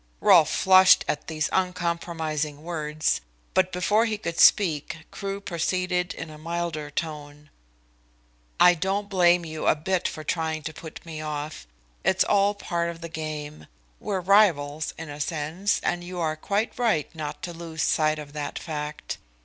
Rolfe flushed at these uncompromising words, but before he could speak Crewe proceeded in a milder tone. "I don't blame you a bit for trying to put me off. It's all part of the game. We're rivals, in a sense, and you are quite right not to lose sight of that fact.